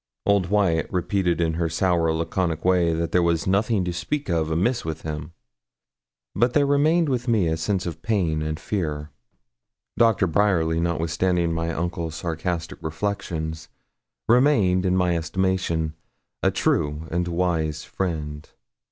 Old Wyat repeated in her sour laconic way that there was 'nothing to speak of amiss with him.' But there remained with me a sense of pain and fear. Doctor Bryerly, notwithstanding my uncle's sarcastic reflections, remained, in my estimation, a true and wise friend.